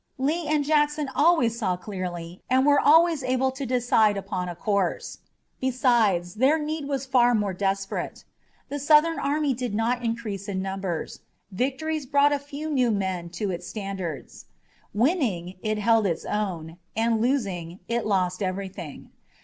Lee and Jackson always saw clearly and were always able to decide upon a course. Besides, their need was far more desperate. The Southern army did not increase in numbers. Victories brought few new men to its standards. Winning, it held its own, and losing, it lost everything.